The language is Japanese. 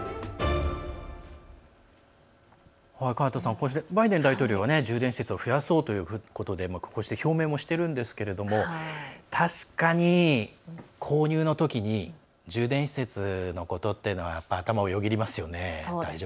こうしてバイデン大統領は充電施設を増やそうということで表明もしてるんですけども確かに、購入のときに充電施設のことっていうのは頭をよぎりますよね。